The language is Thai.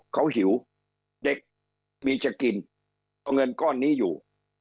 เขาหิวเด็กมีจะกินเอาเงินก้อนนี้อยู่